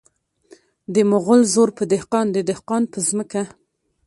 د مغل زور په دهقان د دهقان په ځمکه .